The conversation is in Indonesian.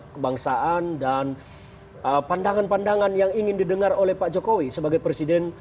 kebangsaan dan pandangan pandangan yang ingin didengar oleh pak jokowi sebagai presiden